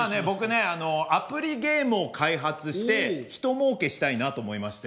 僕ねアプリゲームを開発して一儲けしたいなと思いまして。